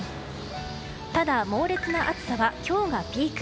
ただ、猛烈な暑さは今日がピーク。